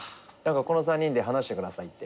この３人で話してくださいって。